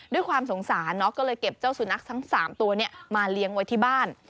ด้วยความสงสารก็เลยเก็บเจ้าสุนัขทั้ง๓ตัวมาเลี้ยงไว้ที่บ้าน